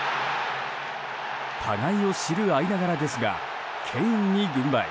互いを知る間柄ですがケインに軍配。